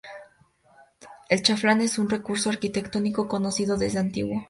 El chaflán es un recurso arquitectónico conocido desde antiguo.